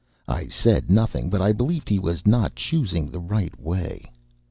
I said nothing, but I believed he was not choosing the right way.